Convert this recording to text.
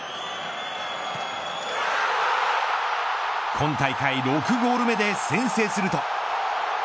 今大会６ゴール目で先制すると。